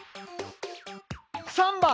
３番！